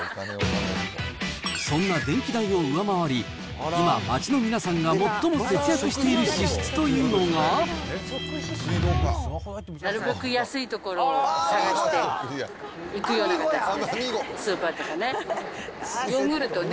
そんな電気代を上回り、今、街の皆さんが最も節約している支出というのが。なるべく安い所を探して、行くようにしてる、スーパーとかね。